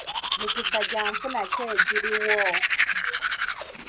Mikisa gya nfuna ki egiriwo?